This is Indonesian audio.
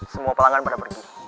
semua pelanggan pada pergi